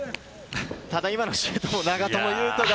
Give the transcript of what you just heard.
今のシュートも長友佑都が。